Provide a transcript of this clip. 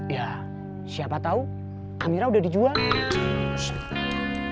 ya siapa tahu amira udah dijual